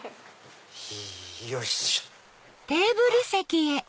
よいしょ。